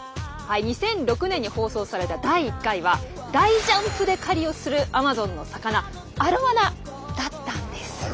２００６年に放送された第１回は大ジャンプで狩りをするアマゾンの魚アロワナだったんです。